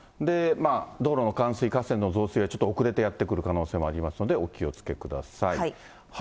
道路の冠水、河川の増水はちょっと遅れてやって来る可能性もありますので、お気をつけください。